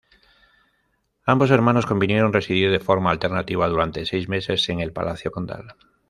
Ambos hermanos convinieron residir de forma alternativa durante seis meses en el palacio condal.